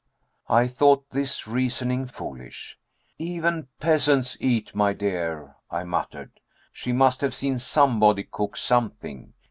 I thought this reasoning foolish. "Even peasants eat, my dear," I muttered. "She must have seen somebody cook something.